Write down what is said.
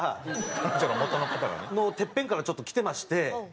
彼女の元の方がね。のてっぺんからちょっときてまして。